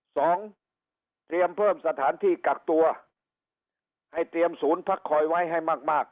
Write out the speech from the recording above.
เตรียมเพิ่มสถานที่กักตัวให้เตรียมศูนย์พักคอยไว้ให้มากมาก